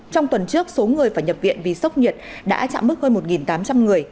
trong tuần trước số người phải nhập viện vì sốc nhiệt đã chạm mức hơn một tám trăm linh người